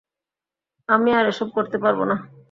আমি আর এসব করতে পারবো না।